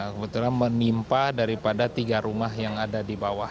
kebetulan menimpa daripada tiga rumah yang ada di bawah